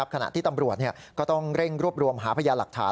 ขณะที่ตำรวจก็ต้องเร่งรวบรวมหาพยานหลักฐาน